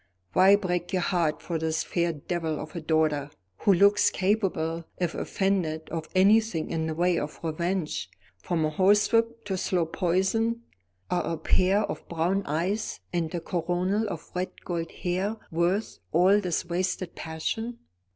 Why break your heart for this fair devil of a daughter, who looks capable, if offended, of anything in the way of revenge, from a horsewhip to slow poison? Are a pair of brown eyes and a coronal of red gold hair worth all this wasted passion?"